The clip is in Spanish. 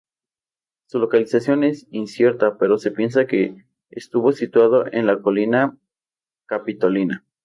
Su localización es incierta pero se piensa que estuvo situado en la colina Capitolina.